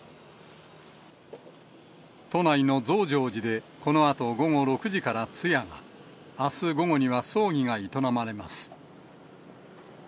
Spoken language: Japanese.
都内の増上寺でこのあと午後６時から通夜が、あす午後には葬儀が営まれます。